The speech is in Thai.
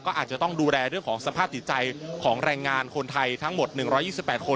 ก็อาจจะต้องดูแลเรื่องของสภาพจิตใจของแรงงานคนไทยทั้งหมด๑๒๘คน